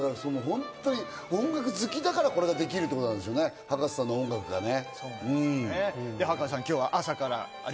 音楽好きだから、これができるってことですよね、葉加瀬さんの音楽がね。